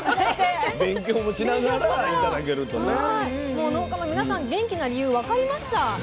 もう農家の皆さん元気な理由分かりました。